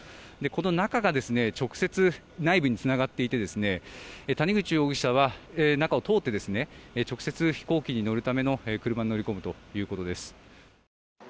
中が直接内部につながっていて谷口容疑者は中を通って直接、飛行機に乗るための車に乗り込むということです。